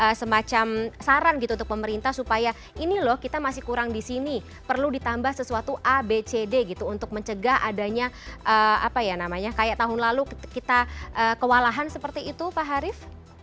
ada semacam saran gitu untuk pemerintah supaya ini loh kita masih kurang di sini perlu ditambah sesuatu a b c d gitu untuk mencegah adanya apa ya namanya kayak tahun lalu kita kewalahan seperti itu pak harif